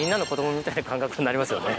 な感覚になりますよね